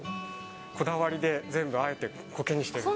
こだわりで、全部あえてコケにしている。